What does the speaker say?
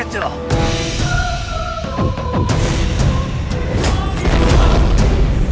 jalan cari seluruh wilayah